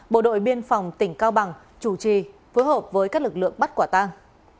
bộ đội biên phòng tỉnh cao bằng chủ trì phối hợp với các lực lượng bắt quả tang